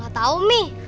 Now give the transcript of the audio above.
gak tau mi